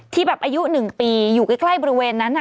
แบบอายุ๑ปีอยู่ใกล้บริเวณนั้น